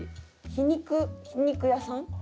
皮肉皮肉屋さん？